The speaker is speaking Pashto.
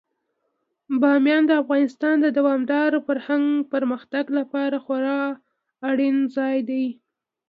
بامیان د افغانستان د دوامداره پرمختګ لپاره خورا اړین ځای دی.